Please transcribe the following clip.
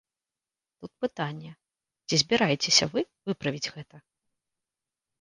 Тут пытанне, ці збіраецеся вы выправіць гэта?